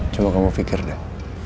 cuma kamu pikir deh